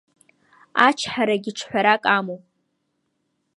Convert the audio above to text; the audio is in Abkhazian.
Ачҳарагьы ҿҳәарак амоуп…